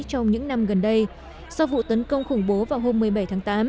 trong những năm gần đây sau vụ tấn công khủng bố vào hôm một mươi bảy tháng tám